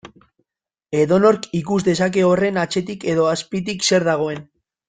Edonork ikus dezake horren atzetik edo azpitik zer dagoen.